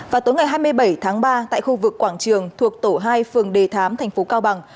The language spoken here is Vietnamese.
vào tối ngày hai mươi bảy tháng ba tại khu vực quảng trường thuộc tổ hai phường đề thám thành phố cao bằng